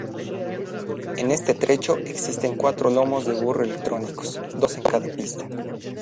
En este trecho, existen cuatro lomos de burro electrónicos, dos en cada pista.